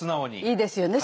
いいですよね。